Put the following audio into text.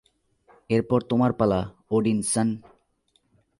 এরপর তোমার পালা, ওডিনসন!